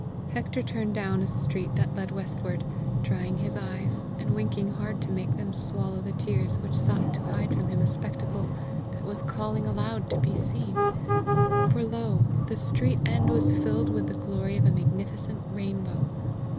Hector turned down a street that led westward, drying his eyes, and winking hard to make them swallow the tears which sought to hide from him a spectacle that was calling aloud to be seen. For lo! the street end was filled with the glory of a magnificent rainbow.